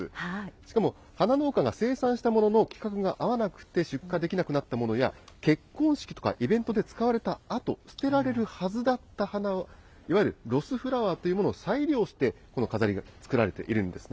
しかも花農家が生産したものの、規格が合わなくて出荷できなくなったものや、結婚式とかイベントで使われたあと、捨てられるはずだった花、いわゆるロスフラワーというものを再利用して、この飾りが作られているんですね。